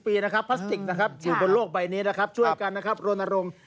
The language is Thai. ๔๕๐ปีพลาสติกอยู่บนโลกใบนี้ช่วยกันรณรม